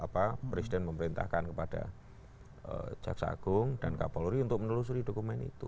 presiden memerintahkan kepada jaksa agung dan kapolri untuk menelusuri dokumen itu